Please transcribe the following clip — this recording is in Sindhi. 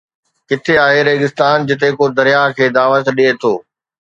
ڪٿي آهي ريگستان جتي ڪو درياهه کي دعوت ڏئي ٿو